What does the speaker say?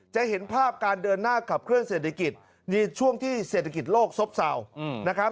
จะเห็นภาพการเดินหน้าขับเคลื่อเศรษฐกิจในช่วงที่เศรษฐกิจโลกซบเศร้านะครับ